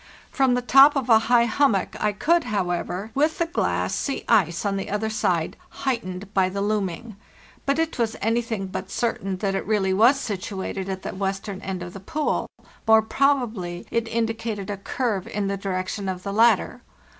From the top of a high hummock I could, however, with the glass, see ice on the other side, heightened by the looming. But it was anything but certain that it really was situated at the western end of the pool; more probably, it indicated a curve in the direction of the latter.